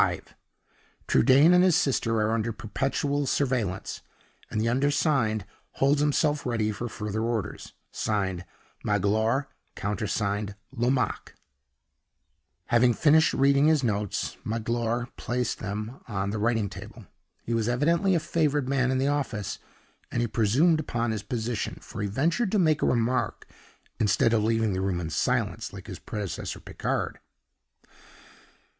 Trudaine and his sister are under perpetual surveillance, and the undersigned holds himself ready for further orders. Signed, MAGLOIRE. Countersigned, LOMAQUE." Having finished reading his notes, Magloire placed them on the writing table. He was evidently a favored man in the office, and he presumed upon his position; for he ventured to make a remark, instead of leaving the room in silence, like his predecessor Picard.